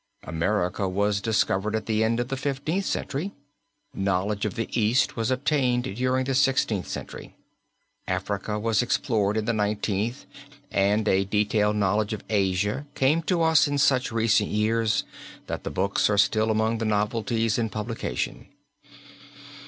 America was discovered at the end of the Fifteenth Century. Knowledge of the East was obtained during the Sixteenth Century. Africa was explored in the Nineteenth and a detailed knowledge of Asia came to us in such recent years that the books are still among the novelties of publication.